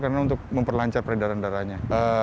karena untuk memperlancar peredaran darahnya